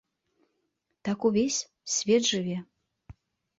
Так увесь свет жыве.